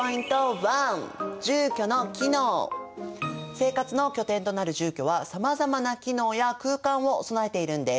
生活の拠点となる住居はさまざまな機能や空間を備えているんです。